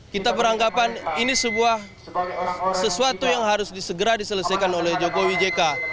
kita beranggapan ini sesuatu yang harus disegera diselesaikan oleh jokowi jk